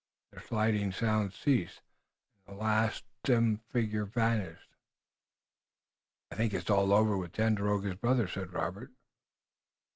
Their sliding sounds ceased, and the last dim figure vanished. "I think it is all over with Tandakora's brother," said Robert.